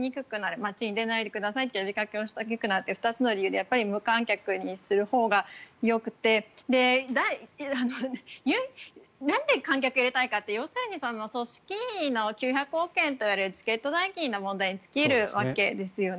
街に出ないでくださいという呼びかけをしにくくなって２つの理由で無観客にするほうがよくてなんで観客を入れたいかって要するに組織委員会の９００億円というチケット代金の理由に尽きるわけですよね。